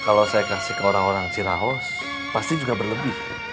kalau saya kasih ke orang orang cirahos pasti juga berlebih